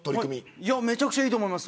めちゃくちゃいいと思います。